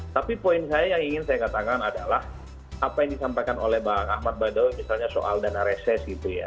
tapi poin saya yang ingin saya katakan adalah apa yang disampaikan oleh bang ahmad badai misalnya soal dana reses gitu ya